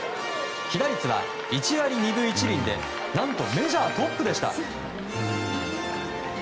被打率は１割２分１厘で何とメジャートップでした。